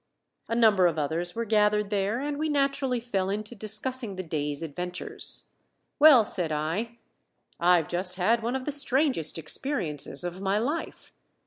A number of others were gathered there, and we naturally fell into discussing the day's adventures. "Well," said I, "I've just had one of the strangest experiences of my life.